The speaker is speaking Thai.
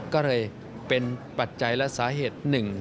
ก็เลยเป็นปัจจัยและสาเหตุหนึ่ง